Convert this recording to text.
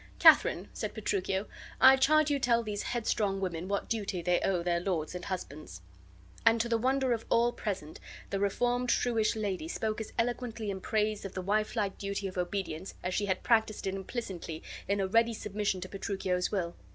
"Katharine," said Petruchio, "I charge you tell these headstrong women what duty they owe their lords and husbands." And to the wonder of all present, the reformed shrewish lady spoke as eloquently in praise of the wifelike duty of obedience as she had practised it implicitly in a ready submission to Petruchio's will.